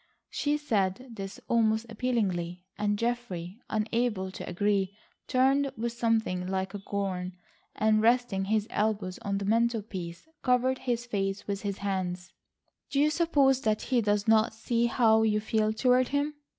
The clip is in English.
She said this almost appealingly, and Geoffrey unable to agree, turned with something like a groan, and resting his elbows on the mantelpiece, covered his face with his hands. "Do you suppose that he does not see how you feel toward him?